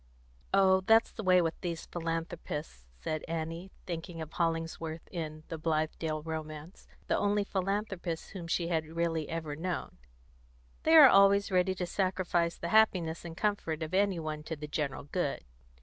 "Oh, that's the way with these philanthropists," said Annie, thinking of Hollingsworth, in The Blithedale Romance, the only philanthropist whom she had really ever known, "They are always ready to sacrifice the happiness and comfort of any one to the general good."